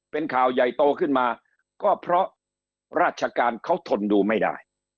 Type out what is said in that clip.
เป็นข่าวใหญ่โตขึ้นมาก็เพราะราชการเขาทนดูไม่ได้